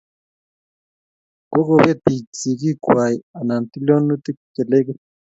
kokopet piik sikik kwai anan tilionutik che legit